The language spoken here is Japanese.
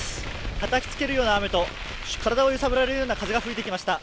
たたきつけるような雨と体を揺さぶられるような風が吹いてきました。